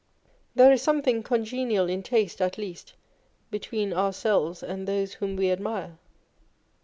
There is something congenial in taste, at least, between ourselves and those whom we admire.